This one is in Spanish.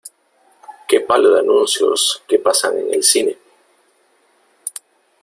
¡Qué palo de anuncios que pasan en el cine!